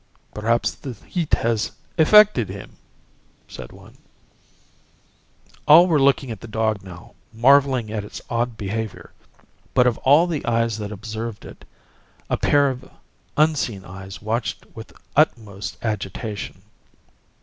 "Perhaps the heat has affected him," said one. All were looking at the dog now, marveling at its odd behavior. But of all the eyes that observed it a pair of unseen eyes watched with the utmost agitation.